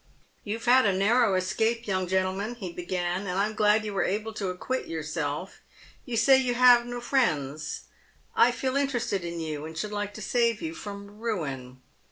" You have had a narrow escape, young gentleman," he began, " and I'm glad you were able to acquit yourself. You say you have no friends. I feel interested in you, and should like to save you from ruin.